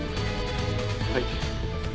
はい。